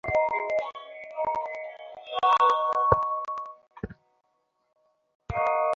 কাছাকাছি যেতে পারছি?